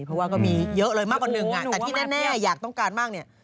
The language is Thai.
เพราะว่าก็มีเยอะเลยมากกว่าหนึ่งแต่ที่แน่อยากต้องการมากเนี่ย